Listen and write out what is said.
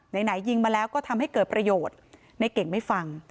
ไหนยิงมาแล้วก็ทำให้เกิดประโยชน์ในเก่งไม่ฟัง